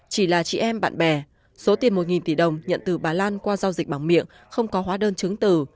chỉ là chị em bạn bè số tiền một tỷ đồng nhận từ bà lan qua giao dịch bằng miệng không có hóa đơn chứng từ